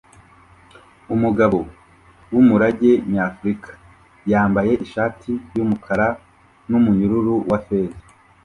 Umugabo wumurage nyafurika yambaye ishati yumukara nu munyururu wa feza